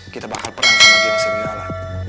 kita bakal perang sama geng segala